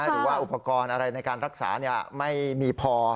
หรือว่าอุปกรณ์อะไรในการรักษาไม่มีพอ